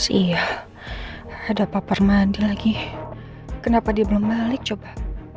si iya ada pak permadi lagi kenapa dia belum balik coba